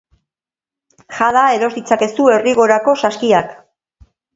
Jada eros ditzakezu Errigorako saskiak.